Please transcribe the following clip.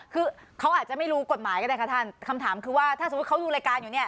คือเขาอาจจะไม่รู้กฎหมายก็ได้ค่ะท่านคำถามคือว่าถ้าสมมุติเขาดูรายการอยู่เนี่ย